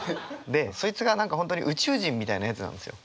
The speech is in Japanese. でそいつが何か本当に宇宙人みたいなやつなんですよ。